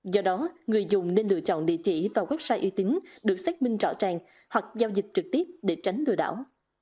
do đó người dùng nên lựa chọn địa chỉ vào website uy tín được xác minh rõ ràng hoặc giao dịch trực tiếp để tránh lừa đảo